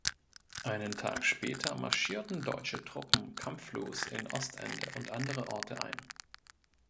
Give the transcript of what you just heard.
Einen Tag später marschierten deutsche Truppen kampflos in Ostende und andere Orte ein.